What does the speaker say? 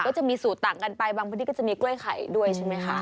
ก็จะมีสูตรต่างกันไปบางพื้นที่ก็จะมีกล้วยไข่ด้วยใช่ไหมคะ